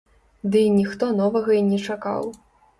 Дый ніхто новага і не чакаў.